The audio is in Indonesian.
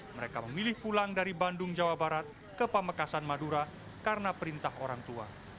mereka memilih pulang dari bandung jawa barat ke pamekasan madura karena perintah orang tua